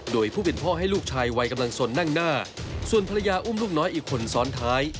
โดยผู้เป็นพ่อให้ลูกชายวัยกำลังสนนั่งหน้าส่วนภรรยาอุ้มลูกน้อยอีกคนซ้อนท้าย